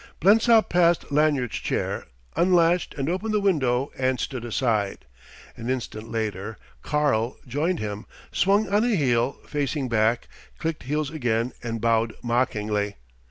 Blensop passed Lanyard's chair, unlatched and opened the window and stood aside. An instant later "Karl" joined him, swung on a heel, facing back, clicked heels again and bowed mockingly.